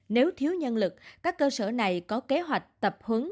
nếu thiếu nhân lực các cơ sở này có kế hoạch tập huấn